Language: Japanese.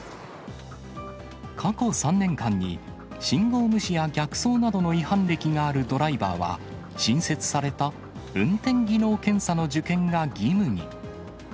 過去３年間に、信号無視や逆走などの違反歴があるドライバーは、新設された運転技能検査の受検が義務に。